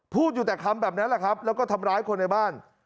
พูดอยู่แต่คำแบบนั้นแหละครับแล้วก็ทำร้ายคนในบ้าน